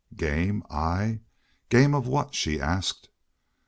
"Game I ... Game of what?" she asked.